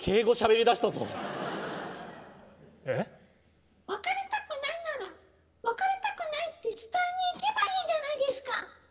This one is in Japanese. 別れたくないなら別れたくないって伝えに行けばいいじゃないですか。